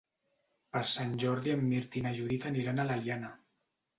Per Sant Jordi en Mirt i na Judit aniran a l'Eliana.